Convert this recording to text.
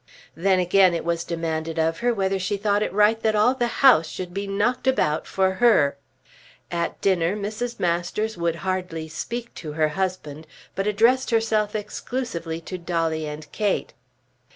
Then again it was demanded of her whether she thought it right that all the house should be knocked about for her. At dinner Mrs. Masters would hardly speak to her husband but addressed herself exclusively to Dolly and Kate. Mr.